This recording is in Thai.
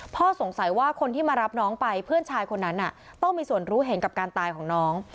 สงสัยว่าคนที่มารับน้องไปเพื่อนชายคนนั้นต้องมีส่วนรู้เห็นกับการตายของน้อง